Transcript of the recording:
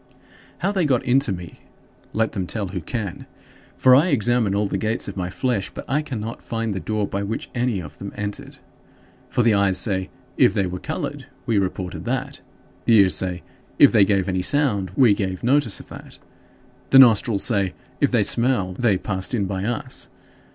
How they got into me, let them tell who can. For I examine all the gates of my flesh, but I cannot find the door by which any of them entered. For the eyes say, "If they were colored, we reported that." The ears say, "If they gave any sound, we gave notice of that." The nostrils say, "If they smell, they passed in by us."